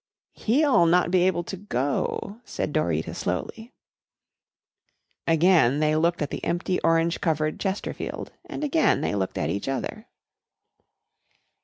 "He'll not be able to go," said Dorita slowly. Again they looked at the empty orange covered Chesterfield and again they looked at each other.